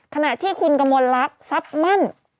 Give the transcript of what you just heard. ขณะที่คุณกมลลักษณ์ทรัพย์มั่น